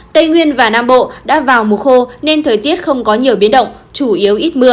tây nguyên và nam bộ đã vào mùa khô nên thời tiết không có nhiều biến động chủ yếu ít mưa